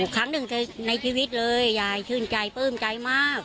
ครั้งหนึ่งแต่ในชีวิตเลยชื่นใจ้าขอบใจมาก